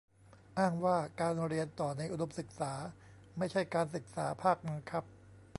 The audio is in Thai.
อ้างว่า การเรียนต่อในอุดมศึกษาไม่ใช่การศึกษาภาคบังคับ